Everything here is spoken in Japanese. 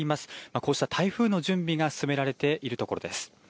こうした台風の準備が進められているところです。